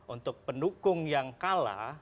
untuk pendukung yang kalah